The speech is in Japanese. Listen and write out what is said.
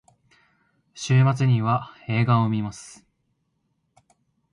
週末には映画を観ます。